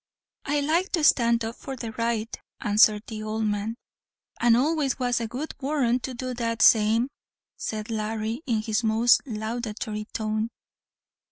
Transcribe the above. "I like to stand up for the right," answered the old man. "And always was a good warrant to do that same," said Larry, in his most laudatory tone.